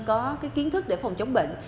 có cái kiến thức để phòng chống bệnh